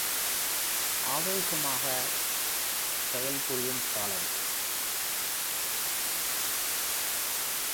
ஆவேசமாகச் செயல் புரியும் காலம்!